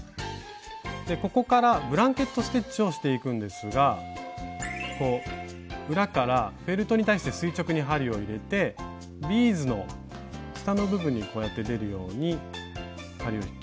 ここからブランケット・ステッチをしていくんですが裏からフェルトに対して垂直に針を入れてビーズの下の部分にこうやって出るように針を引きます。